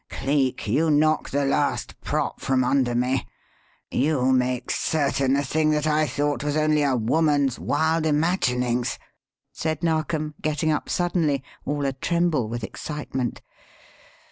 Cleek, you knock the last prop from under me; you make certain a thing that I thought was only a woman's wild imaginings," said Narkom, getting up suddenly, all a tremble with excitement.